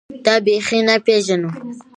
دا بېخي نه پېژنو.